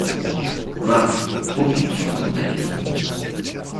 Va ! profite du moment de répit !